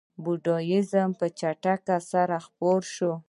بودیزم په چټکۍ سره خپور شو.